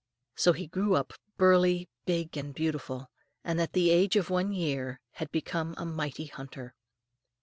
So he grew up burly, big, and beautiful; and at the age of one year had become a mighty hunter.